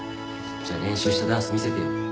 じゃあ練習したダンス見せてよ。